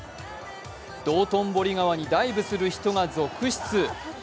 道頓堀川にダイブするひとが続出。